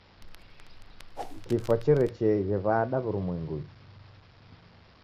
Kifwa cherecheeghe w'ada w'urumwengunyi?